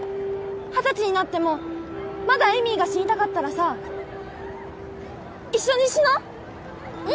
二十歳になってもまだエミーが死にたかったらさ一緒に死のう！